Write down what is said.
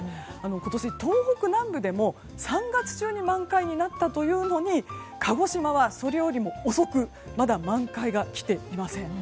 今年、東北南部でも３月中に満開になったというのに鹿児島はそれよりも遅くまだ満開が来ていません。